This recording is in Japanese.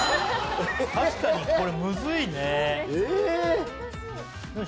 確かにこれムズいね。